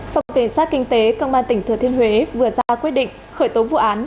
phòng kiểm soát kinh tế công an tỉnh thừa thiên huế vừa ra quyết định khởi tố vụ án